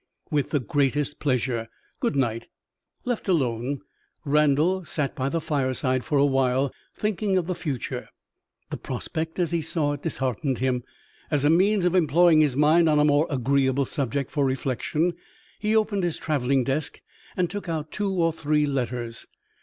"With the greatest pleasure. Good night." Left alone, Randal sat by the fireside for a while, thinking of the future. The prospect, as he saw it, disheartened him. As a means of employing his mind on a more agreeable subject for reflection, he opened his traveling desk and took out two or three letters.